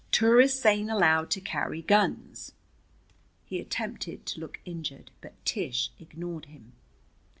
"Tourists ain't allowed to carry guns." He attempted to look injured, but Tish ignored him.